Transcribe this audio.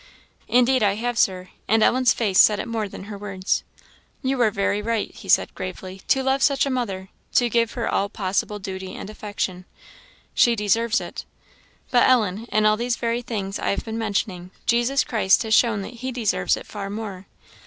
"Indeed I have, Sir;" and Ellen's face said it more than her words. "You are very right," he said, gravely, "to love such a mother to give her all possible duty and affection; she deserves it. But, Ellen, in all these very things I have been mentioning, Jesus Christ has shown that he deserves it far more.